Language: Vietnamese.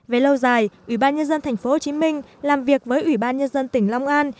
về lâu dài ủy ban nhân dân tp hcm làm việc với ủy ban nhân dân tỉnh long an